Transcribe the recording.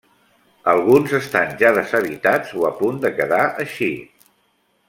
Alguns estan ja deshabitats o a punt de quedar així.